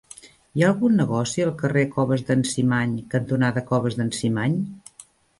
Hi ha algun negoci al carrer Coves d'en Cimany cantonada Coves d'en Cimany?